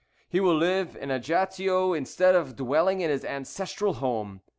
He will live in Ajaccio instead of dwelling in his ancestral home.